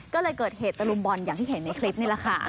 ก็เลยเกิดเหตุตะลุมบอลอย่างที่เห็นในคลิปนี่แหละค่ะ